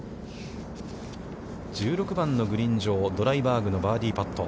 １６番のグリーン上、ドライバーグのバーディーパット。